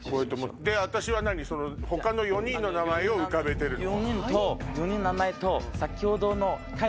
私は他の４人の名前を浮かべてるの？